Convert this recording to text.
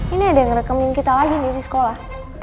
ini ada yang rekening kita lagi nih di sekolah